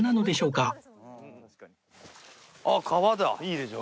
いいでしょ？